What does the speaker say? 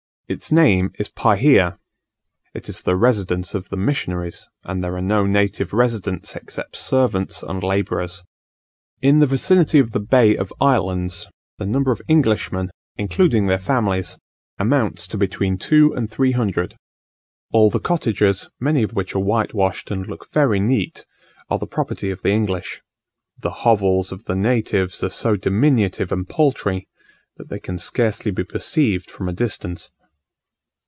Its name is Pahia: it is the residence of the missionaries; and there are no native residents except servants and labourers. In the vicinity of the Bay of Islands, the number of Englishmen, including their families, amounts to between two and three hundred. All the cottages, many of which are whitewashed and look very neat, are the property of the English. The hovels of the natives are so diminutive and paltry, that they can scarcely be perceived from a distance.